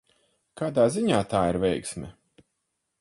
Kādā ziņā tā ir veiksme?